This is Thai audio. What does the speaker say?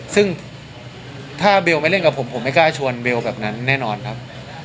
ซึ่งถ้าเบลไม่เล่นกับผมผมไม่กล้าชวนเบลแบบนั้นแน่นอนครับ